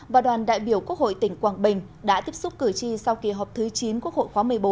và đoàn đại biểu quốc hội tỉnh quảng bình đã tiếp xúc cử tri sau kỳ họp thứ chín quốc hội khóa một mươi bốn